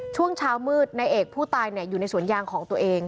ช่วงเช้ามืดนายเอกผู้ตายอยู่ในสวนยางของตัวเอง